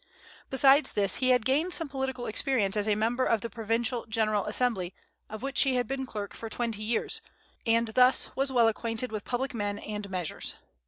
Besides this, he had gained some political experience as a member of the provincial General Assembly, of which he had been clerk for twenty years, and thus was well acquainted with public men and measures.